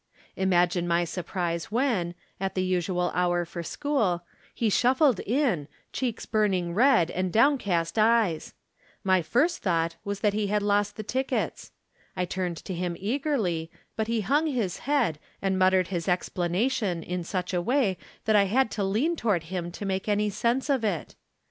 Imagine my surprise when, at the usual hour for school, he shuffled in, cheeks burning red and downcast eyes. My first thought was that he 170 From Different Standpoints. had lost the tickets. I turned to him eagerly, but he hung his head, and muttered his explana tion in such a way that I had to lean toward him to make any sense of it.